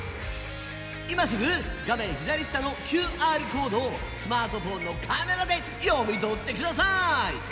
今すぐ画面左下のＱＲコードをスマートフォンのカメラで読み取ってください。